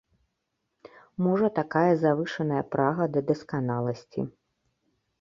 Можа такая завышаная прага да дасканаласці.